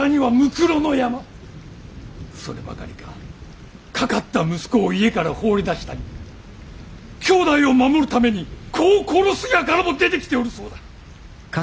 そればかりかかかった息子を家から放り出したり兄弟を守るために子を殺す輩も出てきておるそうだ。